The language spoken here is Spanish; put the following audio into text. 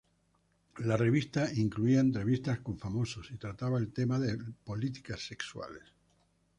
La revista incluía entrevistas con famosos y trataba el tema de políticas sexuales.